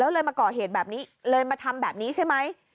เลยมาก่อเหตุแบบนี้เลยมาทำแบบนี้ใช่ไหม